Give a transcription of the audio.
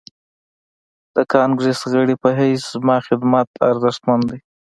د کانګريس د غړي په حيث زما خدمت ارزښتمن دی.